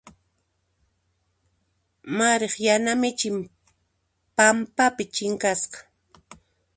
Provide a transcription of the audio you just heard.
Mariq yana michin pampapi chinkasqa.